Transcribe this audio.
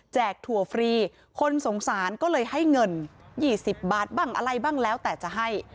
ถั่วฟรีคนสงสารก็เลยให้เงิน๒๐บาทบ้างอะไรบ้างแล้วแต่จะให้